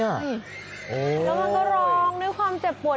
แล้วมันก็ร้องด้วยความเจ็บปวด